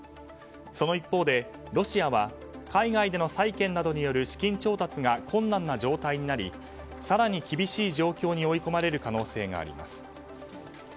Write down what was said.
その一方でロシアは海外での債券などによる資金調達が困難な状態になり更に厳しい状況に追い込まれる可能性があります。